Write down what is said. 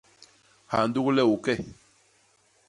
Ha ndugi le u ke.